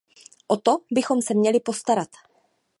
O to bychom se měli postarat.